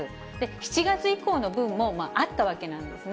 ７月以降の分もあったわけなんですね。